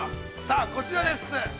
こちらです。